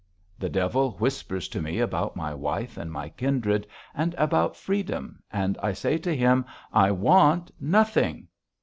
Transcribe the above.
The devil whispers to me about my wife and my kindred, and about freedom and I say to him: 'I want nothing!'